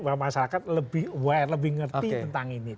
bahwa masyarakat lebih ngerti tentang ini